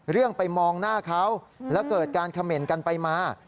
เรื่องไปมองหน้าเขาแล้วเกิดการเขม่นกันไปมา